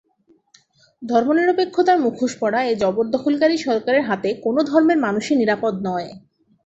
ধর্মনিরপেক্ষতার মুখোশ পরা এ জবরদখলকারী সরকারের হাতে কোনো ধর্মের মানুষই নিরাপদ নয়।